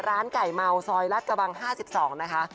ร้านไก่เมาซอยรัฐกระบัง๕๒นะคะ